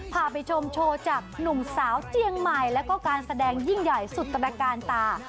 พาไปชมโชว์จากหนุ่มสาวเจียงใหม่แล้วก็การแสดงยิ่งใหญ่สุตรการตา